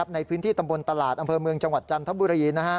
ในพื้นที่ตำบลตลาดอำเภอเมืองจังหวัดจันทบุรี